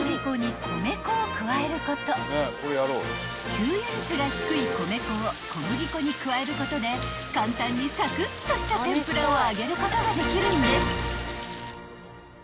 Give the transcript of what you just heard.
［吸油率が低い米粉を小麦粉に加えることで簡単にサクッとした天ぷらを揚げることができるんです］